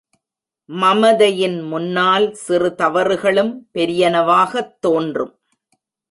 மமதையின் முன்னால் சிறு தவறுகளும் பெரியனவாகத் தோன்றும்.